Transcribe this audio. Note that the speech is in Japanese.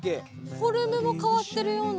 フォルムも変わってるような。